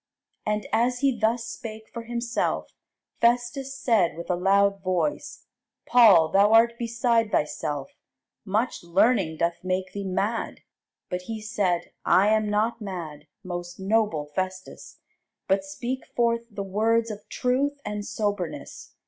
And as he thus spake for himself, Festus said with a loud voice, Paul, thou art beside thyself; much learning doth make thee mad. But he said, I am not mad, most noble Festus; but speak forth the words of truth and soberness.